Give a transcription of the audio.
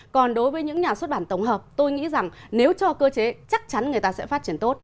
còn đối với những nhà xuất bản tổng hợp tôi nghĩ rằng nếu cho cơ chế chắc chắn người ta sẽ phát triển tốt